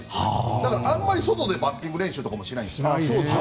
だからあまり外でバッティング練習とかもしないんです。